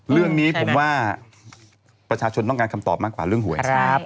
เรื่องนี้ผมว่าประชาชนต้องการคำตอบมากกว่าเรื่องหวย